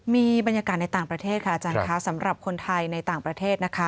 มีบรรยากาศในต่างประเทศค่ะอาจารย์คะสำหรับคนไทยในต่างประเทศนะคะ